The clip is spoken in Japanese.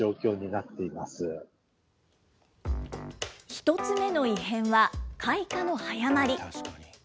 １つ目の異変は開花の早まり。